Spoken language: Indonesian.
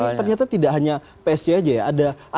ternyata tidak hanya psc aja ya